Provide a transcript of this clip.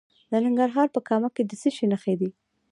د ننګرهار په کامه کې د څه شي نښې دي؟